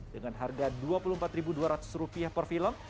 dengan harga rp dua puluh empat dua ratus per film